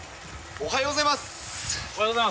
おはようございます。